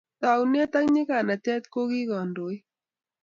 taunet ak nyikanatet ko kii kandoik